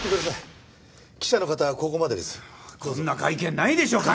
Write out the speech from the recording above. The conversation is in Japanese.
こんな会見ないでしょ管理官。